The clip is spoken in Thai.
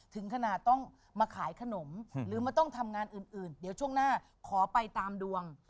ถึงขนาดต้องมาขายขนมหรือมันต้องทำงานอื่นเดี๋ยวช่วงหน้าขอไปตามดวง